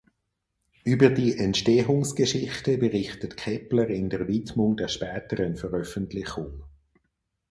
Über die Entstehungsgeschichte berichtet Kepler in der Widmung der späteren Veröffentlichung.